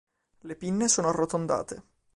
Le pinne sono arrotondate.